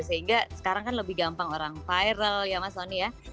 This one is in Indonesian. sehingga sekarang kan lebih gampang orang viral ya mas soni ya